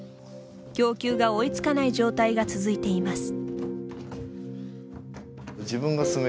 供給が追いつかない状態が続いています。